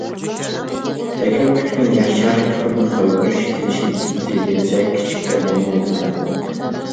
ئەگەر پۈتكۈل يەر شارى كاربون قويۇپ بېرىش كېلىشىمى تۈزدى، دېيىلسە كېچىككەن بولمايدۇ، ئەلۋەتتە.